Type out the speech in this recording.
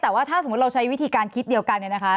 แต่ว่าถ้าสมมุติเราใช้วิธีการคิดเดียวกันเนี่ยนะคะ